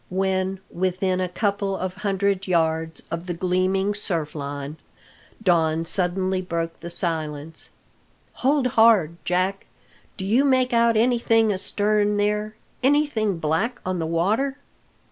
When within a couple of hundred yards of the gleaming surfline, Don suddenly broke the silence. "Hold hard, Jack! Do you make out anything astern there anything black on the water?"